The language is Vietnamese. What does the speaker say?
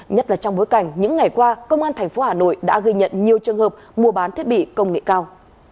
nhất là trong bối cảnh những ngày qua công an thành phố hà nội đã gây nhận nhiều trường hợp mua bán thiết bị công nghệ cao